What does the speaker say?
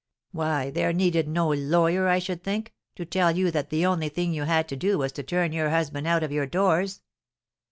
"Why, there needed no lawyer, I should think, to tell you that the only thing you had to do was to turn your husband out of your doors."